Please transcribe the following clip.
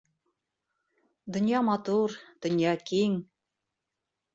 Донъя матур, донъя киң!